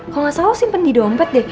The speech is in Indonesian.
kalo gak salah lo simpen di dompet deh